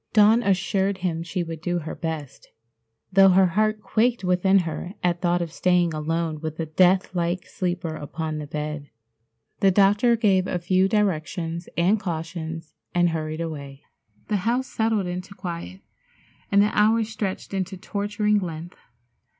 Dawn assured him she would do her best, though her heart quaked within her at thought of staying alone with the death like sleeper upon the bed. The doctor gave a few directions and cautions, and hurried away. The house settled into quiet, and the hours stretched into torturing length.